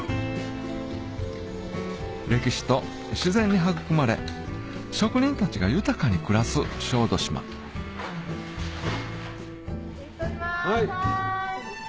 歴史と自然に育まれ職人たちが豊かに暮らす小豆島・撮りますはい！